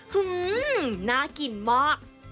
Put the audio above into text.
หื้มน่ากินมาก